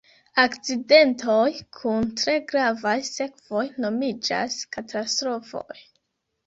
Akcidentoj kun tre gravaj sekvoj nomiĝas katastrofoj.